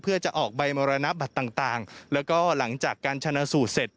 เพื่อจะออกใบมรณบัตรต่างแล้วก็หลังจากการชนะสูตรเสร็จ